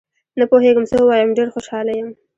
نه پوهېږم څه ووایم، ډېر خوشحال یم